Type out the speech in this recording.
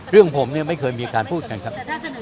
เรื่องผมเนี่ยไม่เคยมีการพูดกันครับ